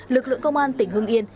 lực lượng công an tỉnh hương yên